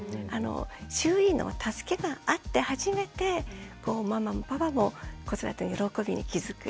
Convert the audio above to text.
周囲の助けがあって初めてこうママもパパも子育ての喜びに気付く。